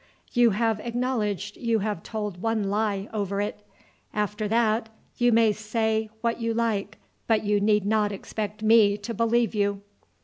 "You have acknowledged you have told one lie over it; after that you may say what you like, but you need not expect me to believe you."